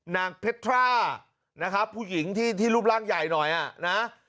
นางเพทรานะครับผู้หญิงที่รูปร่างใหญ่หน่อยนะ